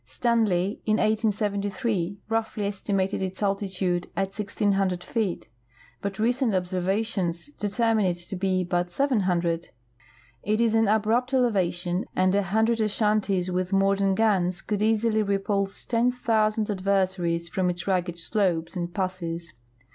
Stanley, in 1873, roughly estimated its altitude at 1,600 feet, but recent observations determine it to be but 700. It is an abrupt elevation, and a hundred Ashantis with modern guns could easily repulse ten thousand adversaries from its rugged slopes and passes.